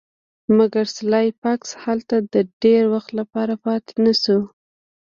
مګر سلای فاکس هلته د ډیر وخت لپاره پاتې نشو